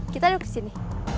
kita dulu kesini